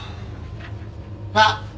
あっ！